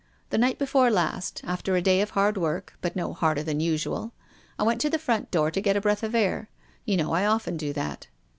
The night before last, after a day of hard work — but no harder than usual — I w ent to the front door to get a breath of air. You know I often do that."